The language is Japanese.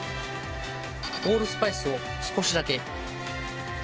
オールスパイスを少しだけ。